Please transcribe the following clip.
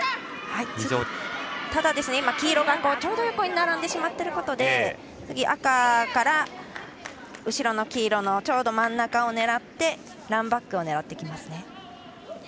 ただ、黄色がちょうど横に並んでしまっていることで次、赤から後ろの黄色のちょうど真ん中を狙ってランバックを狙ってきますね。